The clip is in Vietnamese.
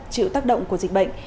chịu tác động của dịch bệnh